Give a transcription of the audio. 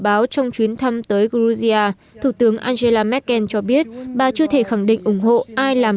báo trong chuyến thăm tới georgia thủ tướng angela merkel cho biết bà chưa thể khẳng định ủng hộ ai làm